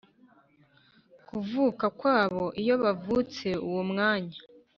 kuvuka kwabo Iyo bavutse uwo mwanya